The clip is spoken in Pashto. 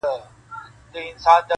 دا خیرات دی که ښادي که فاتحه ده -